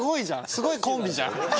すごいコンビじゃん。